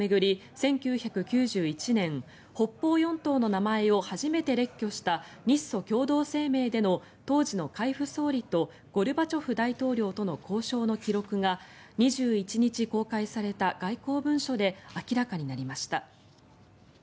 １９９１年北方四島の名前を初めて列挙した日ソ共同宣言での当時の海部総理とゴルバチョフ大統領との交渉の記録が２１日公開された外交文書で明らかになりました。